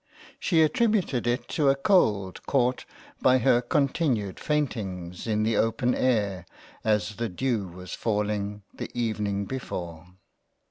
She attributed it to a cold caught by her continued faintings in the open air as the Dew was falling the Evening before.